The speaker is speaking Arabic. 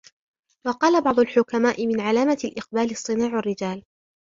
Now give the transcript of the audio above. وَقَالَ بَعْضُ الْحُكَمَاءِ مِنْ عَلَامَةِ الْإِقْبَالِ اصْطِنَاعُ الرِّجَالِ